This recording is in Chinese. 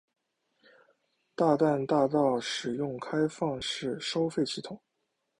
大淡大道使用开放式收费系统。